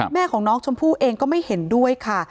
แม่ของน้องชมพู่เองก็ไม่เห็นด้วยค่ะ